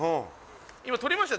今、撮りました？